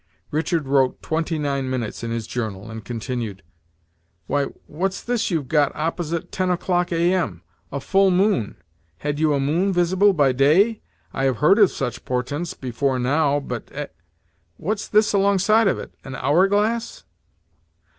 Richard wrote twenty nine minutes in his journal, and continued: "Why, what's this you've got opposite ten o'clock A.M.? A full moon! had you a moon visible by day? I have heard of such portents before now, but eh! what's this alongside of it? an hour glass?"